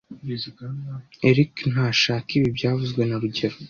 Eric ntashaka ibi byavuzwe na rugero